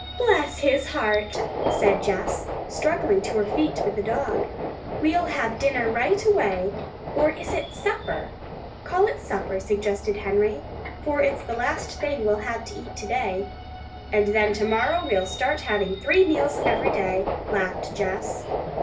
"Bless his heart!" said Jess, struggling to her feet with the dog. "We'll have dinner right away or is it supper?" "Call it supper," suggested Henry, "for it's the last thing we'll have to eat today." "And then tomorrow we'll start having three meals every day," laughed Jess.